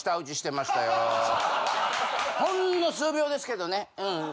ほんの数秒ですけどねうん。